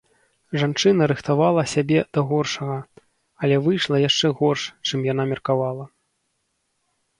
Жанчына рыхтавала сябе да горшага, але выйшла яшчэ горш, чым яна меркавала.